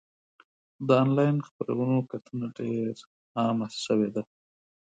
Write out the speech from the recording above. د انلاین خپرونو کتنه ډېر عامه شوې ده.